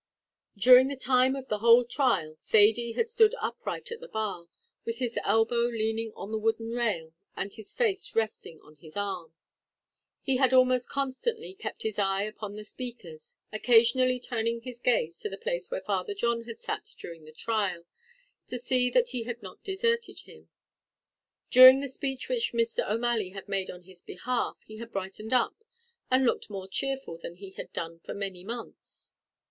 During the time of the whole trial, Thady had stood upright at the bar, with his elbow leaning on the wooden rail, and his face resting on his arm. He had almost constantly kept his eye upon the speakers, occasionally turning his gaze to the place where Father John had sat during the trial, to see that he had not deserted him. During the speech which Mr. O'Malley had made on his behalf, he had brightened up, and looked more cheerful than he had done for many months.